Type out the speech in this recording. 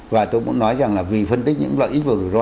và tôi cũng nói rằng là vì phân tích những lợi ích vào rủi ro